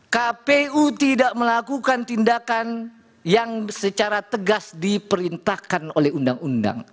kpu tidak melakukan tindakan yang secara tegas diperintahkan oleh undang undang